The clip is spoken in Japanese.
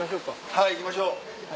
はい行きましょう。